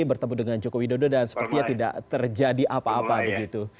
bertemu dengan joko widodo dan sepertinya tidak terjadi apa apa begitu